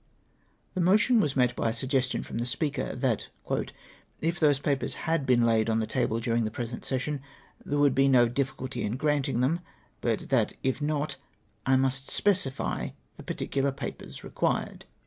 The motion was met by a suggestion from the Speaker — that " if those papers liad been laid on the table during the present session there woidd be no difficulty in granting them, but that if not, I must specify the particular papers requii"ed."